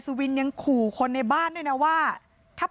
พี่น้องของผู้เสียหายแล้วเสร็จแล้วมีการของผู้เสียหาย